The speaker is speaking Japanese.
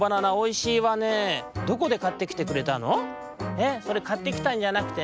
「えっそれかってきたんじゃなくてね